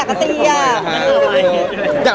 เหย่ายด้วยนะแล้ว